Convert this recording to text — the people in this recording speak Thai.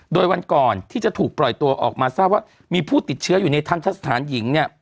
โดยวันก่อนที่จะถูกปล่อยตัวออกมาทราบว่ามีผู้ติดเชื้ออยู่ในทันทะสถานหญิงเนี่ย